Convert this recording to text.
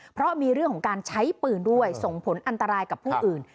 เพราะมีเรื่องของการใช้ปืนด้วยส่งผลอันตรายกับผู้อื่น